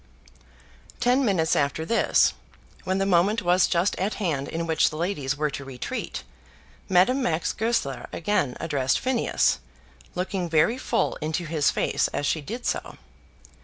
Ten minutes after this, when the moment was just at hand in which the ladies were to retreat, Madame Max Goesler again addressed Phineas, looking very full into his face as she did so.